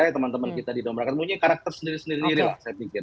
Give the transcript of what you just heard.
teman teman kita di dalam rakyat punya karakter sendiri sendiri lah saya pikir